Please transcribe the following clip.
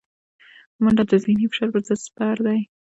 منډه د ذهني فشار پر ضد سپر دی